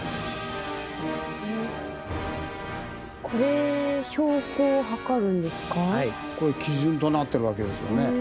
これ基準となってるわけですよね。